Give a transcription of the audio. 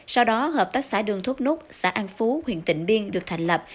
sau đó hợp tác xã đường thốt núc xã an phú huyện tịnh biên được thành lập